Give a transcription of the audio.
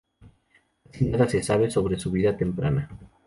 Casi nada se sabe sobre su vida temprana.